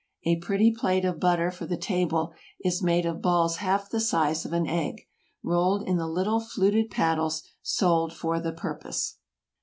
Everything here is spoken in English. A pretty plate of butter for the table is made of balls half the size of an egg, rolled in the little fluted paddles sold for the purpose.